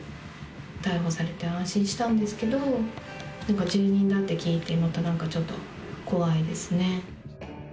逮捕されて安心したんですけど、なんか住人だって聞いてまたなんかちょっと怖いですね。